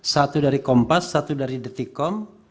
satu dari kompas satu dari detikom